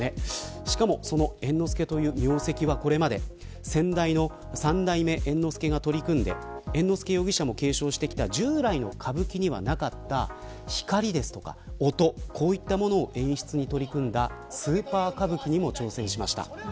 しかも、その猿之助という名跡はこれまで先代の三代目猿之助が取り組んで猿之助容疑者も継承してきた従来の歌舞伎にはなかった光や音、こういったものを演出に取り組んだスーパー歌舞伎にも挑戦しました。